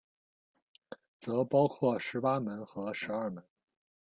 则包括十八门和十二门。